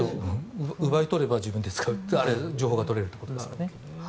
奪い取れば自分で使う情報が取れるということですからね。